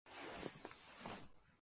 やってきたのはアリクイだった。